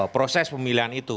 proses pemilihan itu